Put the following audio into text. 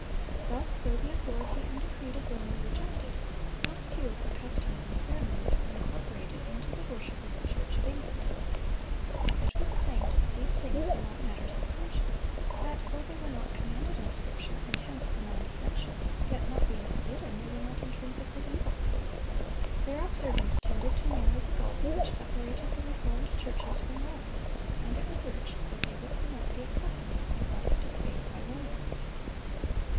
Thus though the authority and the creed of Rome were rejected, not a few of her customs and ceremonies were incorporated into the worship of the Church of England. It was claimed that these things were not matters of conscience; that though they were not commanded in Scripture, and hence were non essential, yet not being forbidden, they were not intrinsically evil. Their observance tended to narrow the gulf which separated the reformed churches from Rome, and it was urged that they would promote the acceptance of the Protestant faith by Romanists.